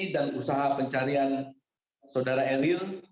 dan usaha pencarian saudara eril